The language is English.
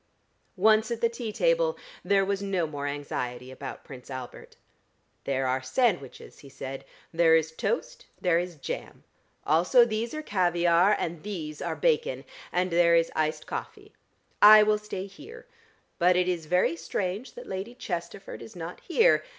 Once at the tea table there was no more anxiety about Prince Albert. "There are sandwiches," he said. "There is toast. There is jam. Also these are caviare and these are bacon. And there is iced coffee. I will stay here. But it is very strange that Lady Chesterford is not here.